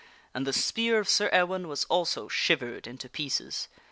And the spear of Sir Ewaine was also shivered into pieces.